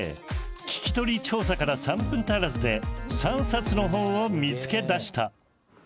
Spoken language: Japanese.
聞き取り調査から３分足らずで３冊の本を見つけ出した。